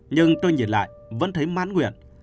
nhưng tôi nhìn lại vẫn thấy mãn nguyện